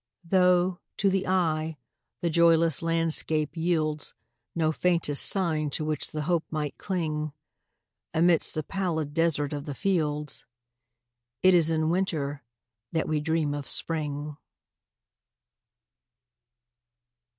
Though, to the eye, the joyless landscape yieldsNo faintest sign to which the hope might cling,—Amidst the pallid desert of the fields,—It is in Winter that we dream of Spring.